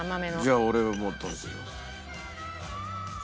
じゃあ俺も食べてみます。